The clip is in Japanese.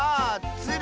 ツル？